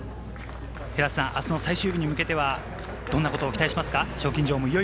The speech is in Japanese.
明日の最終日に向けてどんなことを期待しますか？